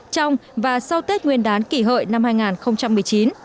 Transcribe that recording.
trong và sau tết nguyên đán kỷ hợi năm hai nghìn một mươi chín